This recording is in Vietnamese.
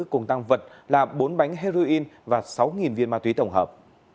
cùng tăng vật là bốn bánh heroin và sáu viên ma túy tổng hợp